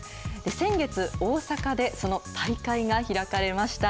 先月、大阪でその大会が開かれました。